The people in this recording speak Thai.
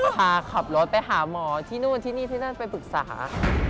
พาขับรถไปหาหมอที่นู่นที่นี่ที่นั่นไปปรึกษา